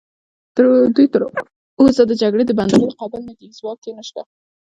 دوی تراوسه د جګړې د بندولو قابل نه دي، ځواک یې نشته.